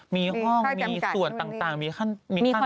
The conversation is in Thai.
มีห้องมีส่วนต่างมีค่าจำกัดมีตอน